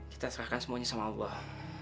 kita serahkan semuanya sama allah